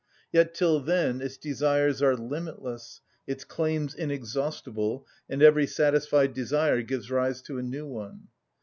Yet till then its desires are limitless, its claims inexhaustible, and every satisfied desire gives rise to a new one.